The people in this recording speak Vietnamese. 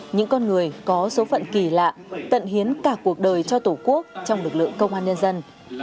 những con người có số phận kỳ lạ tận hiến cả cuộc đời cho tổ quốc trong lực lượng công an nhân dân